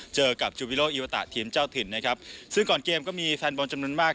เจอกับจูบิโลอีวะตะทีมเจ้าถิ่นนะครับซึ่งก่อนเกมก็มีแฟนบอลจำนวนมาก